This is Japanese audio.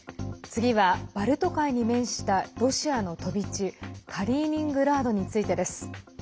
次は、バルト海に面したロシアの飛び地カリーニングラードについてです。